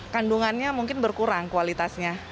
kandungannya mungkin berkurang kualitasnya